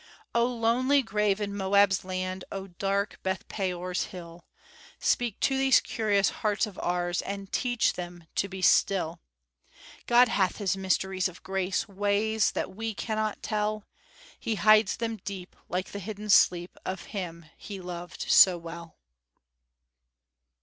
"O lonely grave in Moab's land! O dark Bethpeor's hill! Speak to these curious hearts of ours, And teach them to be still! God hath his mysteries of grace, Ways that we cannot tell; He hides them deep, like the hidden sleep Of him he loved so well."